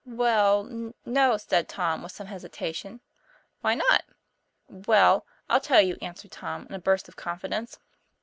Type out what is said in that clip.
"Well, no," said Tom with some hesitation. " Why not ?" "Well, I'll tell you," answered Tom, in a burst of confidence.